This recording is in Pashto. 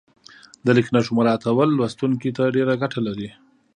د لیک نښو مراعاتول لوستونکي ته ډېره ګټه لري.